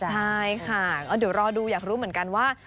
ใช่ค่ะก็เดี๋ยวรอดูอยากรู้เหมือนกันว่า